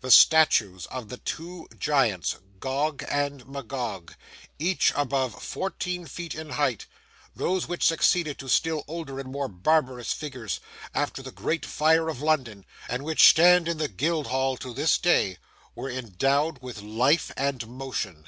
The statues of the two giants, Gog and Magog, each above fourteen feet in height, those which succeeded to still older and more barbarous figures, after the Great Fire of London, and which stand in the Guildhall to this day, were endowed with life and motion.